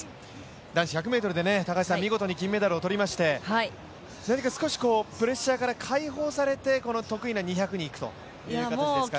男子１００ｍで見事に金メダルを取りましてなにか少しプレッシャーから解放されてこの得意な２００に行くという形ですかね。